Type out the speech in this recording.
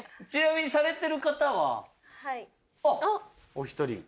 お一人。